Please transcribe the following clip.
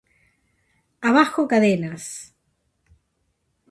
¡Abajo Cadenas!